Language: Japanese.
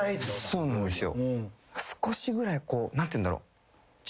そうなんですよ。